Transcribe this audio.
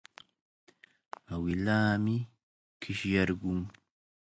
Awilaami qishyarqun.